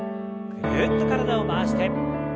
ぐるっと体を回して。